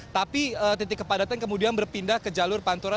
tapi titik kepadatan kemudian berpindah ke jalur pantura